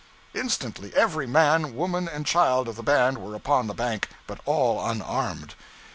Instantly every man, woman, and child of the band were upon the bank, but all unarmed.